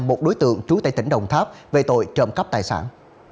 một đối tượng trú tại tỉnh đồng tháp về tội trộm cắp tài sản